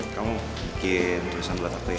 kamu bikin tulisan buat aku ya